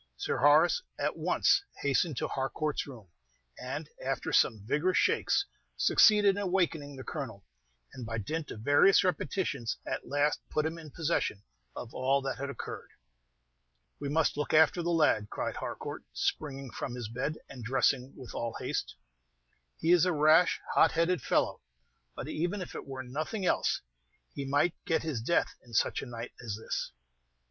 Sir Horace at once hastened to Harcourt's room, and, after some vigorous shakes, succeeded in awakening the Colonel, and by dint of various repetitions at last put him in possession of all that had occurred. "We must look after the lad," cried Harcourt, springing from his bed, and dressing with all haste. "He is a rash, hot headed fellow; but even if it were nothing else, he might get his death in such a night as this."